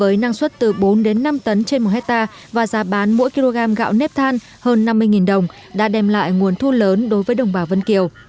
với năng suất từ bốn đến năm tấn trên một hectare và giá bán mỗi kg gạo nếp than hơn năm mươi đồng đã đem lại nguồn thu lớn đối với đồng bào vân kiều